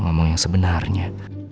ngomong yang sebenarnya